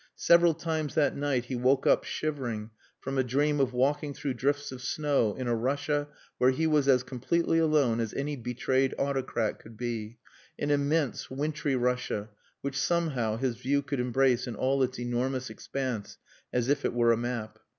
Several times that night he woke up shivering from a dream of walking through drifts of snow in a Russia where he was as completely alone as any betrayed autocrat could be; an immense, wintry Russia which, somehow, his view could embrace in all its enormous expanse as if it were a map.